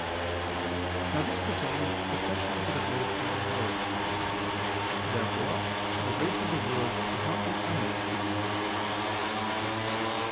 Now this pertains especially to the grace of the word. Therefore the grace of the word is not becoming to women.